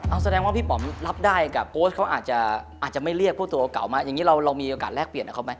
เอาแสดงว่าพี่ป๋อมรับได้กับโอ๊ตเขาอาจจะไม่เรียกพวกตัวเก่ามาอย่างนี้เรามีโอกาสแลกเปลี่ยนกับเขาไหม